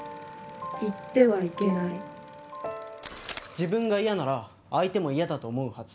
自分が嫌なら相手も嫌だと思うはず。